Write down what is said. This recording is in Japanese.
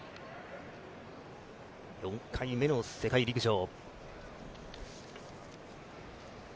４回目の世界陸上。